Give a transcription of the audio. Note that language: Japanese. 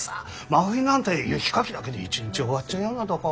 真冬なんて雪かきだけで一日終わっちゃうようなとこ。